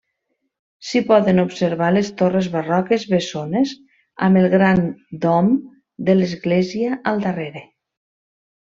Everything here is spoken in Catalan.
S'hi poden observar les torres barroques bessones amb el gran dom de l'església al darrere.